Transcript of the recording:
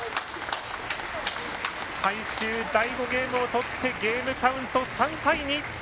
最終第５ゲームを取ってゲームカウント、３対２。